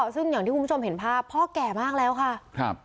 ซึ่งอย่างที่คุณผู้ชมเห็นภาพพ่อแก่มากแล้วค่ะครับ